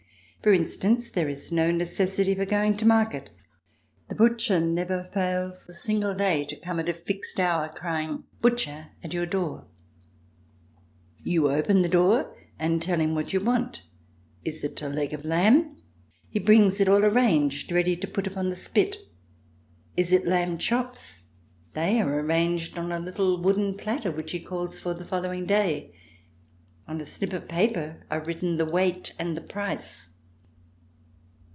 For instance, there is no necessity for going to market. The butcher never fails a single day to come at a fixed hour crying, "Butcher," at your door. You open the door and [ 295 ] RECOLLECTIONS OF THE REVOLUTION tell him what you want. Is it a leg of lamb ? He brings it all arranged ready to put upon the spit. Is it lamb chops? They are arranged on a little wooden platter which he calls for the following day. On a slip of paper are written the weight and the price.